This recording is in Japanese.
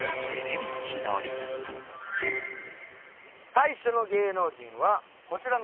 最初の芸能人はこちらの方です。